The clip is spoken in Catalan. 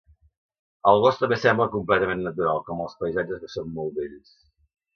El gos també sembla completament natural, com els paisatges que són molt bells.